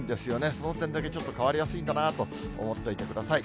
その点だけちょっと変わりやすいんだなと思っておいてください。